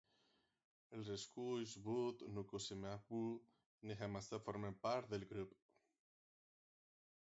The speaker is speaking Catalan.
Els esculls Budd, Nukusemanu i Heemskercq formen part del grup.